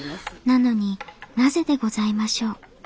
なのになぜでございましょう。